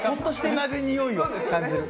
同じにおいを感じる。